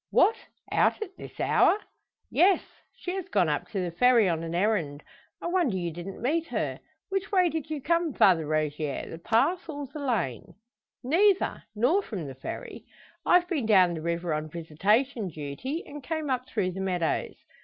"What! Out at this hour?" "Yes; she has gone up to the Ferry on an errand. I wonder you didn't meet her! Which way did you come, Father Rogier the path or the lane?" "Neither nor from the Ferry. I've been down the river on visitation duty, and came up through the meadows.